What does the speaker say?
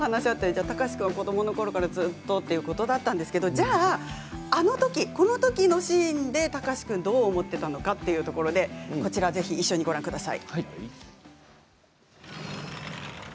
貴司君は子どものころからずっとということなんですがあの時この時のシーンで貴司君はどう思っていたのかというところでこちらを、ぜひご覧ください。